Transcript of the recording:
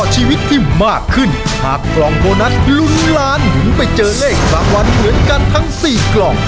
หากกล่องโบนัสหลุนล้านหรือไปเจอเลขประวันเหมือนกันทั้ง๔กล่อง